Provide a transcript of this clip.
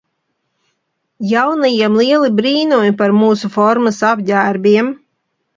Jaunajiem lieli brīnumi par mūsu formas apģērbiem.